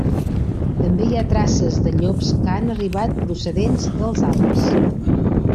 També hi ha traces de llops que han arribat procedents dels Alps.